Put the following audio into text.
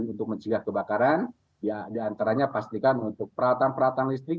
untuk mencegah kebakaran ya diantaranya pastikan untuk peralatan peralatan listrik